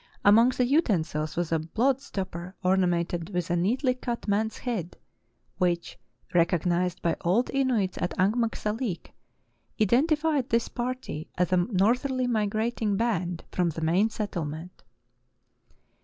Among the utensils was a blood stopper orna mented with a neatly cut man's head, which, recognized b)'' old Inuits at Angmagsalik, identified this party as a northerly migrating band from the main settlement."